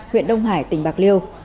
huyện đông hải tỉnh bạc liêu